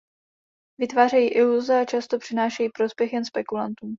Vytvářejí iluze a často přinášejí prospěch jen spekulantům.